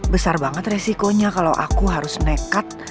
besar banget resikonya kalau aku harus nekat